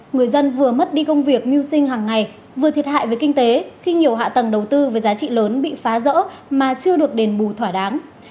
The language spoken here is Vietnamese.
người dân vừa mất đi công việc mưu sinh hàng ngày vừa thiệt hại về kinh tế khi nhiều hạ tầng đầu tư với giá trị lớn bị phá rỡ mà chưa được đền bù thỏa đáng